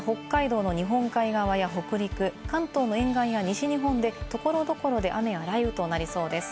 ただ北海道の日本海側や北陸、関東の沿岸や西日本で所々で雨や雷雨となりそうです。